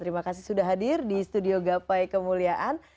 terima kasih sudah hadir di studio gapai kemuliaan